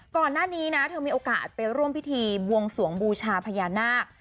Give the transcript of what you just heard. ก่อนหน้านี้นะเธอมีโอกาสไปร่วมพิธีบวงสวงบูชาพญานาค